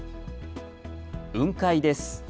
雲海です。